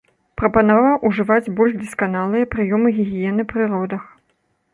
Прапанаваў ужываць больш дасканалыя прыёмы гігіены пры родах.